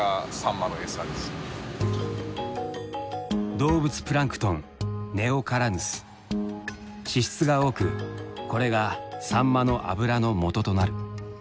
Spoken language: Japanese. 動物プランクトン脂質が多くこれがサンマの脂のもととなる。